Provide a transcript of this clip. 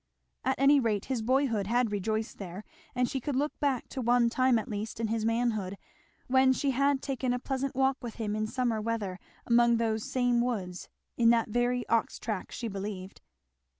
At any rate his boyhood had rejoiced there, and she could look back to one time at least in his manhood when she had taken a pleasant walk with him in summer weather among those same woods, in that very ox track she believed.